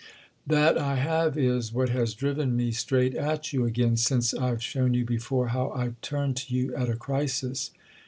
"That I have is what has driven me straight at you again—since I've shown you before how I turn to you at a crisis.